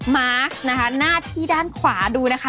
มาร์คนะคะหน้าที่ด้านขวาดูนะคะ